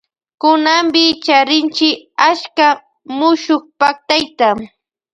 Kunanpi charinchi achka mushukpaktayta.